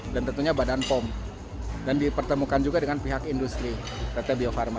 dan tentunya badan pom dan dipertemukan juga dengan pihak industri teteh bio farma